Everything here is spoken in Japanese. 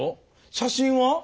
写真は？